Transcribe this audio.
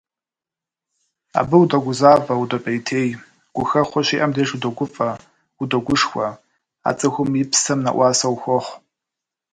Абы удогузавэ, удопӏейтей, гухэхъуэ щиӏэм деж удогуфӏэ, удогушхуэ, а цӏыхум и псэм нэӏуасэ ухуохъу.